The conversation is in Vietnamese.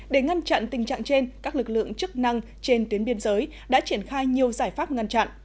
để ngăn chặn tình trạng trên các lực lượng chức năng trên tuyến biên giới đã triển khai nhiều giải pháp ngăn chặn